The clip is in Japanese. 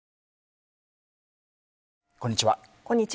こんにちは。